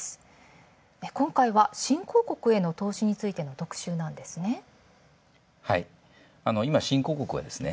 今回は新興国への投資についての特集なんですね。